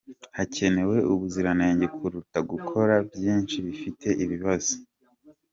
Hakenewe ubuziranenge kuruta gukora byinshi bifite ibibazo